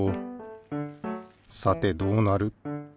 さてどうなる？